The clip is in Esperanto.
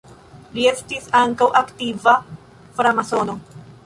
Li estis ankaŭ aktiva framasono.